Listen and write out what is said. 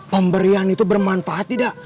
pemberian itu bermanfaat tidak